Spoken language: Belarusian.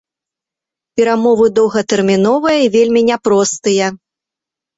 Перамовы доўгатэрміновыя і вельмі няпростыя.